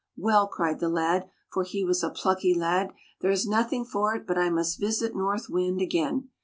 " Well," cried the lad — for he was a plucky lad —" there is nothing for it but I must visit North Wind again."